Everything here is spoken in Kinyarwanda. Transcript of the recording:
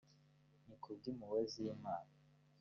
ni ku bw’impuhwe z’imana